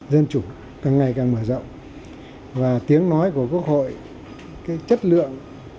dân chủ càng ngày càng mở rộng và tiếng nói của quốc hội cái chất lượng